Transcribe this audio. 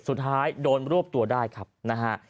สุดท้ายโดนรวบตัวได้ครับนะฮะ